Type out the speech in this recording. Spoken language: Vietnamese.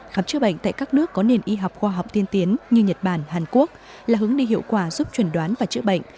khám chữa bệnh tại các nước có nền y học khoa học tiên tiến như nhật bản hàn quốc là hướng đi hiệu quả giúp chuẩn đoán và chữa bệnh